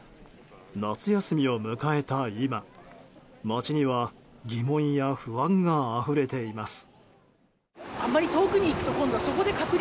夏休みを迎えた今、街には疑問や不安があふれています。